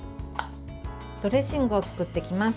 ドレッシングを作っていきます。